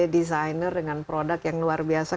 desainer dengan produk yang luar biasa